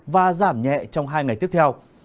và giảm nhẹ trong hai ngày tiếp theo